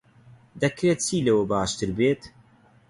دەکرێت چی لەوە باشتر بێت؟